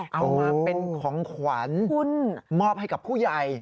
เอามาเป็นของขวัญมอบให้กับผู้ใหญ่